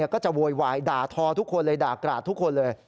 ก็จะโวยวายด่าทอทุกคนเลยด่ากราดทุกคนเลย